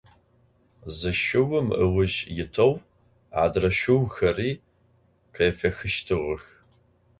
Zı şşıum ıujj yiteu adre şşıuxeri khêfexıştığex.